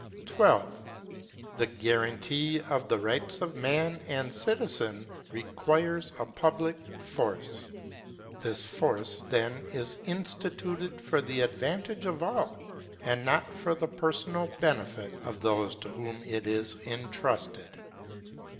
12. The guarantee of the rights of man and citizen re quires a public force; this force then is instituted for the ad vantage of all and not for the personal benefit of those to whom it is entrusted.